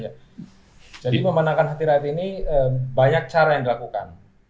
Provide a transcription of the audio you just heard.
jadi memenangkan hati rakyat ini banyak cara yang dilakukan